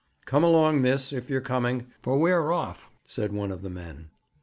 'Come along, miss, if you're coming; for we're off,' said one of the men.